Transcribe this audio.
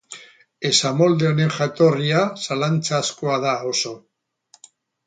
Esamolde honen jatorria zalantzazkoa da oso.